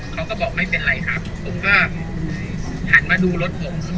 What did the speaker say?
เขาก็บอกไม่เป็นไรครับผมก็หันมาดูรถผม